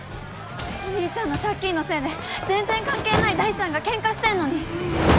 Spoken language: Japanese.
お兄ちゃんの借金のせいで全然関係ない大ちゃんがケンカしてんのに。